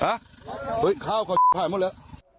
ฮะเฮ้ยข้าวก่อนถ่ายหมดแล้ว